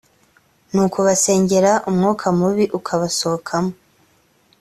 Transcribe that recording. nukubasengera imyuka mibi ikabasohokamo.